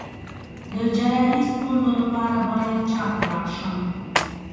د جراحي ستونزو لپاره باید چا ته لاړ شم؟